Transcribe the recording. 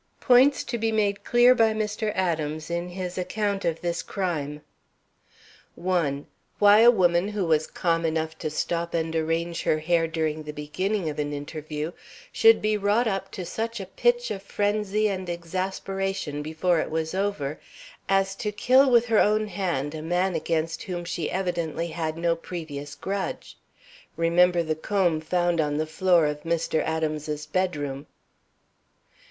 Points to be made clear by Mr. Adams in his account of this crime: 1. Why a woman who was calm enough to stop and arrange her hair during the beginning of an interview should be wrought up to such a pitch of frenzy and exasperation before it was over as to kill with her own hand a man against whom she had evidently no previous grudge. (Remember the comb found on the floor of Mr. Adams's bedroom.)